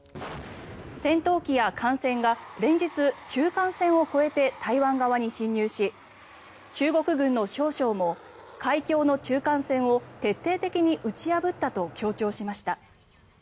戦闘機や艦船が連日、中間線を越えて台湾側に侵入し中国軍の少将も海峡の中間線を徹底的に打ち破ったと強調しました。